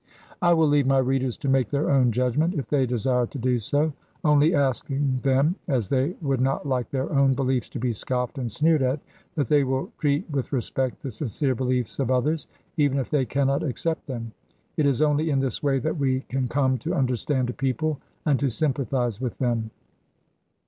I will leave my readers to make their own judgment, if they desire to do so; only asking them (as they would not like their own beliefs to be scoffed and sneered at) that they will treat with respect the sincere beliefs of others, even if they cannot accept them. It is only in this way that we can come to understand a people and to sympathize with them.